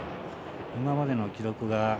今までの記録が第１